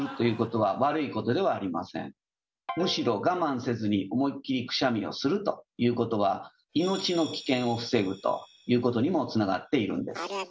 むしろ我慢せずに思いっきりくしゃみをするということは命の危険を防ぐということにもつながっているんです。